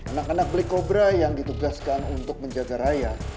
anak anak black cobra yang ditugaskan untuk menjaga raya